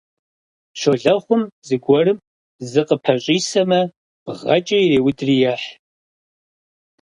Щолэхъум зыгуэрым зыкъыпэщӀисэмэ, бгъэкӀэ иреудри ехь.